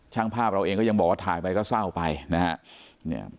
ช่างภาพเราเองก็ยังบอกว่าถ่ายไปก็เศร้าไปนะครับ